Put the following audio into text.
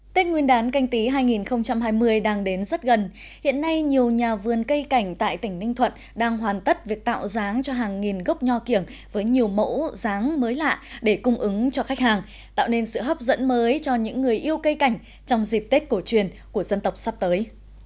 tết nguyên đán canh tí hai nghìn hai mươi đang đến rất gần hiện nay nhiều nhà vườn cây cảnh tại tỉnh ninh thuận đang hoàn tất việc tạo dáng cho hàng nghìn gốc nho kiểng với nhiều mẫu ráng mới lạ để cung ứng cho khách hàng tạo nên sự hấp dẫn mới cho những người yêu cây cảnh trong dịp tết cổ truyền của dân tộc sắp tới